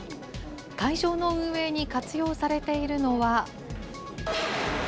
会場の運営に活用されているのは。